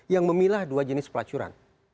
yang memilah dua jenis pelacuran